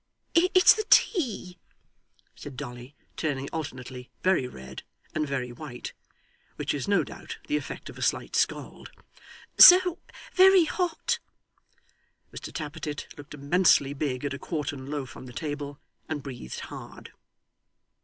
'It's the tea,' said Dolly, turning alternately very red and very white, which is no doubt the effect of a slight scald 'so very hot.' Mr Tappertit looked immensely big at a quartern loaf on the table, and breathed hard.